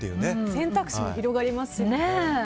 選択肢も広がりますよね。